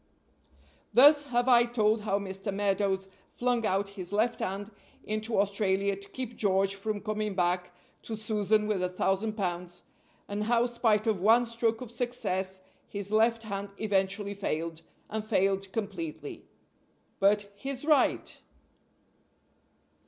Thus have I told how Mr. Meadows flung out his left hand into Australia to keep George from coming back to Susan with a thousand pounds, and how, spite of one stroke of success, his left hand eventually failed, and failed completely. But his right?